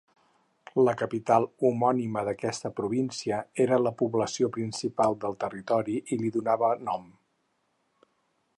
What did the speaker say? La capital homònima d'aquesta província, era la població principal del territori i li donava nom.